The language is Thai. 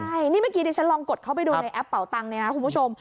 ใช่นี่เมื่อกี้ดิฉันลองกดเข้าไปดูในแอปเป่าตังค์เนี่ยนะคุณผู้ชม